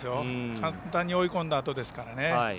簡単に追い込んだあとですからね。